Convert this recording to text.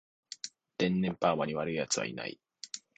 天然パーマに悪い奴はいない